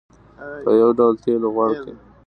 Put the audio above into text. په یو ډول تېلو غوړ کړ.